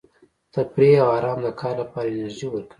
تفریح او ارام د کار لپاره انرژي ورکوي.